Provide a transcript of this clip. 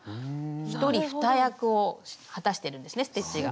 一人二役を果たしてるんですねステッチが。